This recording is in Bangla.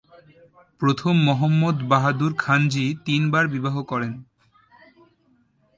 প্রথম মহম্মদ বাহাদুর খানজী তিন বার বিবাহ করেন।